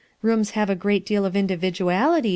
Room* Iiavo a great deal of individuality!